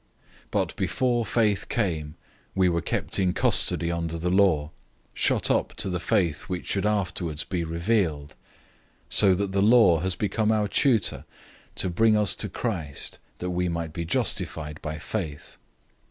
003:023 But before faith came, we were kept in custody under the law, confined for the faith which should afterwards be revealed. 003:024 So that the law has become our tutor to bring us to Christ, that we might be justified by faith.